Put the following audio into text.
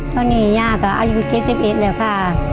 ตอนนี้ย่าก็อายุ๗๑แล้วค่ะ